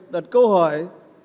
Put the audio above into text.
đặt câu hỏi